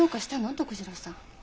徳次郎さん。